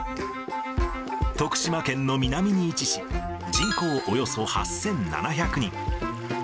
徳島県の南に位置し、人口およそ８７００人。